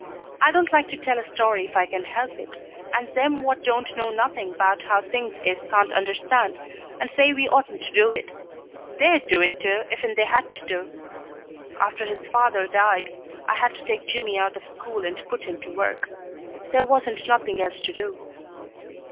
I don't like to tell a story if I can help it, and them what don't know nothing 'bout how things is can't understand, and say we oughtn't to do it. They'd do it, too, ifen they had to. After his father died I had to take Jimmy out of school and put him to work. There wasn't nothing else to do."